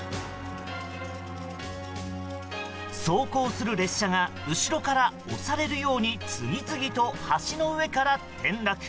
走行する列車が後ろから押されるように次々と橋の上から転落。